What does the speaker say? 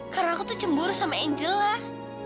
karena aku tuh cemburu sama angel lah